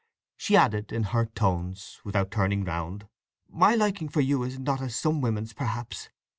She added in hurt tones, without turning round: "My liking for you is not as some women's perhaps.